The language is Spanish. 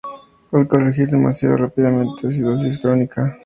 Al corregir demasiado rápidamente la acidosis crónica.